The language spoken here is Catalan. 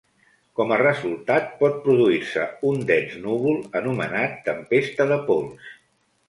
Com a resultat, pot produir-se un dens núvol, anomenat tempesta de pols.